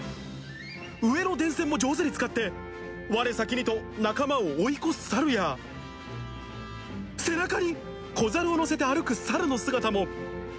上の電線も上手に使って、われ先にと仲間を追い越すサルや、背中に子ザルを乗せて歩くサルの姿も。